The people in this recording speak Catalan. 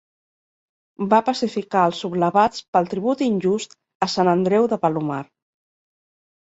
Va pacificar als sublevats pel tribut injust a Sant Andreu de Palomar.